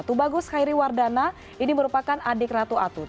tubagus khairi wardana ini merupakan adik ratu atut